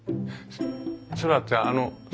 空ってあの空？